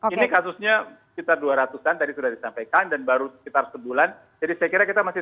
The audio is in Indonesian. ini kasusnya sekitar dua ratus an tadi sudah disampaikan dan baru sekitar sebulan jadi saya kira kita masih